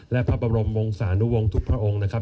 และพระบรมวงศานุวงศ์ทุกพระองค์นะครับ